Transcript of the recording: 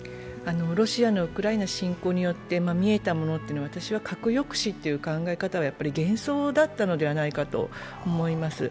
ロシアのウクライナ侵攻によって見えたものは私は核抑止という考え方は幻想だったのではないかと思います。